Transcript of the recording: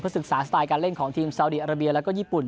ศึกษาสไตล์การเล่นของทีมซาวดีอาราเบียแล้วก็ญี่ปุ่น